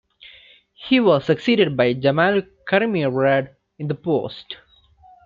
He was succeeded by Jamal Karimi-Rad in the post.